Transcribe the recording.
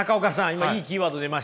今いいキーワード出ましたね。